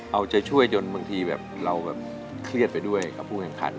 เอาใจช่วยจนบางทีแบบเราแบบเครียดไปด้วยกับผู้แข่งขัน